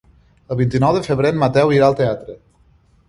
El vint-i-nou de febrer en Mateu irà al teatre.